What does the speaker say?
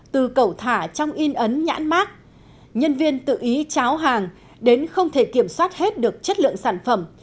từ cẩu thả trong in ấn nhãn mát nhân viên tự ý cháo hàng đến không thể kiểm soát hết được chất lượng sản phẩm